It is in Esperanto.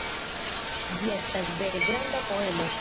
Ĝi estas vere "granda" poemo.